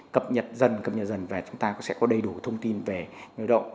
cập nhật dần cập nhật dần và chúng ta sẽ có đầy đủ thông tin về nơi động